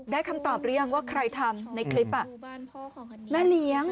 ได้คำตอบรึยังว่าใครทำในคลิป